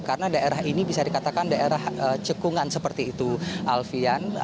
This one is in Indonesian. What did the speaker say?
karena daerah ini bisa dikatakan daerah cekungan seperti itu alfian